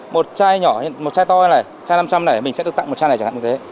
một chai nhỏ một chai to này chai năm trăm linh này mình sẽ được tặng một chai này chẳng hạn như thế